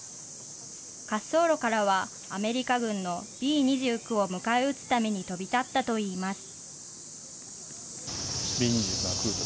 滑走路からはアメリカ軍のＢ２９を迎え撃つために飛び立ったといいます。